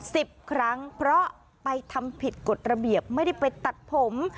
สิบครั้งเพราะไปทำผิดกฎระเบียบไม่ได้ไปตัดผม